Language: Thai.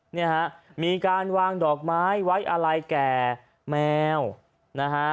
เนี่ยฮะมีการวางดอกไม้ไว้อะไรแก่แมวนะฮะ